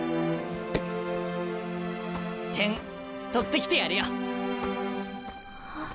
点取ってきてやるよ。